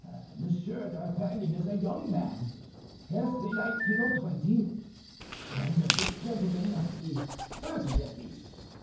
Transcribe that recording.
Monsieur d'Artagnan is a young man, scarcely nineteen or twenty, and this gentleman must be thirty at least.